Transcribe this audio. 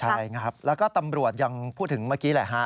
ใช่และก็ตำรวจยังพูดถึงเมื่อกี้แหละ